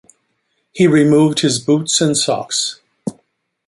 He removed his boots and socks.